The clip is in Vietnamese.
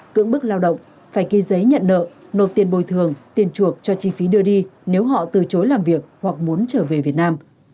cưỡng bức lao động phải ký giấy nhận nợ nộp tiền bồi thường tiền chuộc cho chi phí đưa đi nếu họ từ chối làm việc hoặc muốn trở về việt nam